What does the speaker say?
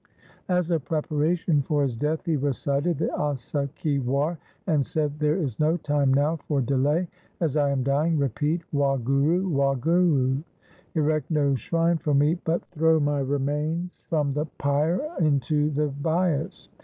As a preparation for his 144 THE SIKH RELIGION death he recited the Asa ki War and said, ' There is no time now for delay. As I am dying, repeat Wahguru ! Wahguru ! Erect no shrine for me, but throw my remains from the pyre into the Bias.'